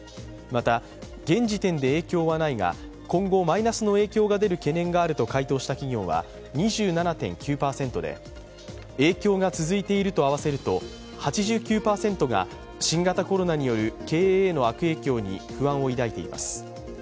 また、現時点で影響はないが今後マイナスの影響が出る懸念があると回答した企業は２７．９％で影響が続いていると合わせると８９％が新型コロナによる、経営への悪影響に不安を抱いています。